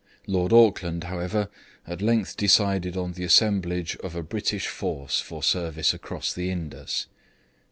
Lord Auckland, however, at length decided on the assemblage of a British force for service across the Indus.